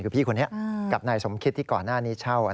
คือพี่คนนี้กับนายสมคิตที่ก่อนหน้านี้เช่า